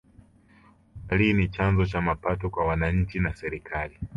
utalii ni chanzo cha mapato kwa wananchi na serikali